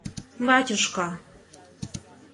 батюшка